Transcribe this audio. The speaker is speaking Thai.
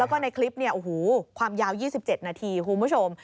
แล้วก็ในคลิปความยาว๒๗นาทีคุณผู้ชม